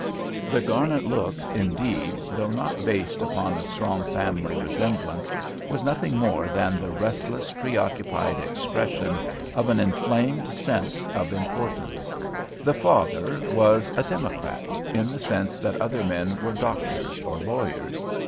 The Garnet "look," indeed, though based upon a strong family resemblance, was nothing more than the restless, preoccupied expression of an inflamed sense of importance. The father was a Democrat, in the sense that other men were doctors or lawyers.